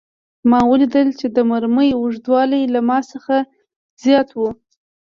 ما ولیدل چې د مرمۍ اوږدوالی له ما څخه زیات و